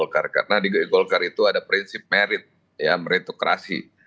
karena di golkar itu ada prinsip merit meritokrasi